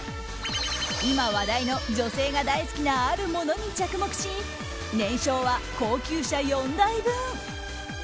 今話題の女性が大好きなあるものに着目し年商は高級車４台分。